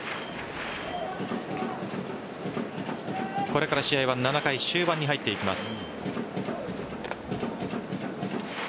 これから試合は７回終盤に入っていきます。